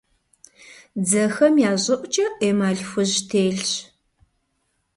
Дзэхэм я щӀыӀукӀэ эмаль хужь телъщ.